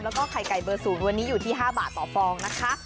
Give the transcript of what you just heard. แล้วก็ไข่ไก่เบอร์ศูนย์วันนี้อยู่ที่๕บาทต่อฟองนะคะ